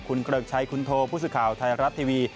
คุณเกริกชัยคุณโทผู้สื่อข่าวไทยรัฐทีวี